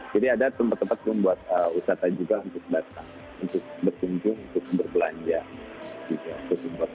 jadi ada tempat tempat juga buat wisatawan juga untuk datang untuk berkunjung untuk berbelanja gitu ya